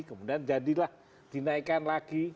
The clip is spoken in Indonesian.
kemudian jadilah dinaikkan lagi